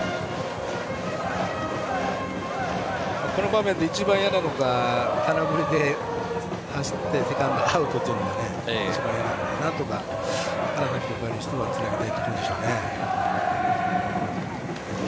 この場面で一番嫌なのが空振りで走ってセカンドアウトというのが一番嫌なので、なんとか花咲徳栄としてはつなぎたいところですね。